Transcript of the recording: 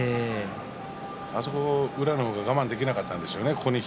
あそこは宇良の方が我慢できなかったんでしょうね。